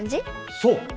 そう！